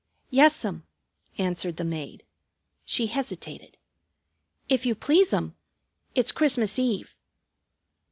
"Yes'm," answered the maid. She hesitated. "If you please'm, it's Christmas Eve."